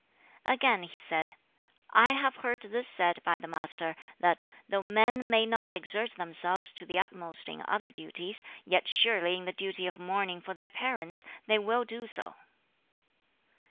Again he said, "I have heard this said by the Master, that 'though men may not exert themselves to the utmost in other duties, yet surely in the duty of mourning for their parents they will do so!'"